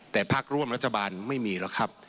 แต่ภาคร่วมรัฐบาลไม่มีหรอกครับ